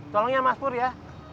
tolong ya mas pur ya